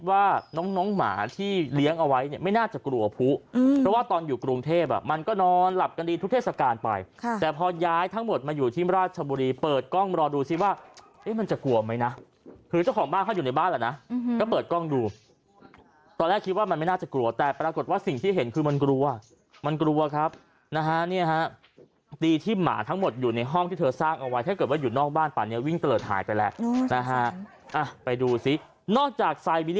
ว่าน้องหมาที่เลี้ยงเอาไว้ไม่น่าจะกลัวพุเพราะว่าตอนอยู่กรุงเทพมันก็นอนหลับกันดีทุกเทศกาลไปแต่พอย้ายทั้งหมดมาอยู่ที่ราชบุรีเปิดกล้องมารอดูสิว่ามันจะกลัวไหมนะคือเจ้าของบ้านเขาอยู่ในบ้านแหละนะก็เปิดกล้องดูตอนแรกคิดว่ามันไม่น่าจะกลัวแต่ปรากฏว่าสิ่งที่เห็นคือมันกลัว